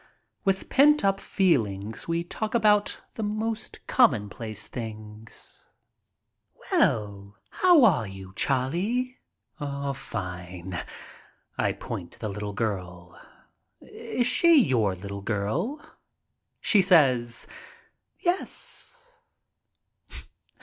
With pent up feelings we talk about the most common place things. SS MY TRIP ABROAt) "Well, how are you, Charlie?" "Fine." I point to the little girl. "Is she your little girl?" She says, "Yes."